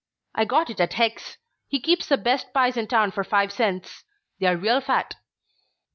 I got it at Heck's. He keeps the best pies in town for five cents. They're real fat."